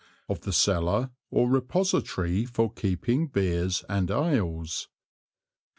XVI. Of the Cellar or Repository for keeping Beers and Ales.